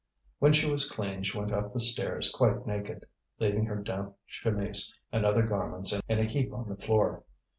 When she was clean she went up the stairs quite naked, leaving her damp chemise and other garments in a heap on the floor.